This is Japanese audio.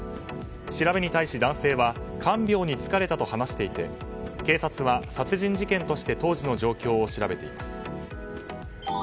調べに対し、男性は看病に疲れたと話していて警察は殺人事件として当時の状況を調べています。